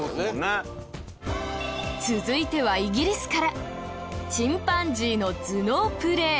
続いては、イギリスからチンパンジーの頭脳プレー